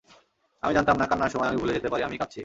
আমি জানতাম না, কান্নার সময় আমি ভুলে যেতে পারি আমি কাঁদছি।